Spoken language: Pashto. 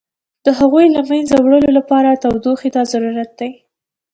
د هغوی له منځه وړلو لپاره تودوخې ته ضرورت دی.